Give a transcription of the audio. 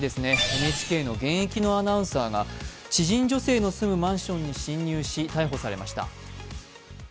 ＮＨＫの現役のアナウンサーが知人女性の住むマンションに侵入し、逮捕されました。